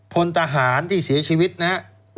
พลทหารที่เสียชีวิตนะครับ